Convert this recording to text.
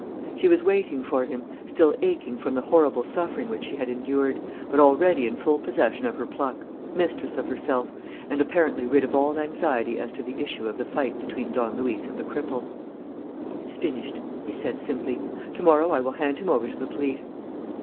She was waiting for him, still aching from the horrible suffering which she had endured, but already in full possession of her pluck, mistress of herself, and apparently rid of all anxiety as to the issue of the fight between Don Luis and the cripple. "It's finished," he said, simply. "To morrow I will hand him over to the police."